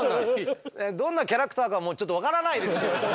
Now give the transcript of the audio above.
どんなキャラクターかもうちょっと分からないですけれども。